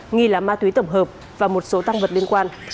nghi là ma túy tổng hợp và một số tăng vật liên quan